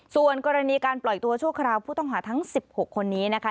ส่วนกรณีการปล่อยตัวชั่วคราวผู้ต้องหาทั้ง๑๖คนนี้นะคะ